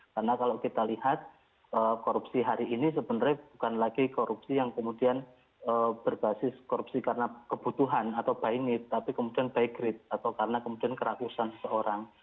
karena kalau kita lihat korupsi hari ini sebenarnya bukan lagi korupsi yang kemudian berbasis korupsi karena kebutuhan atau by need tapi kemudian by greed atau karena kemudian keragusan seseorang